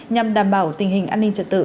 nhằm đảm bảo tình hình an ninh trật tự